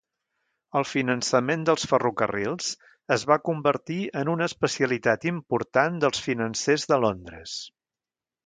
El finançament dels ferrocarrils es va convertir en una especialitat important dels financers de Londres.